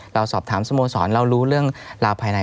เราสอบถามสโมสรเรารู้เรื่องราวภายใน